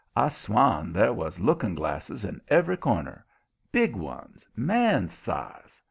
I swan there was looking glasses in every corner big ones, man's size.